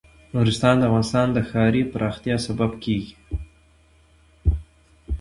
نورستان د افغانستان د ښاري پراختیا سبب کېږي.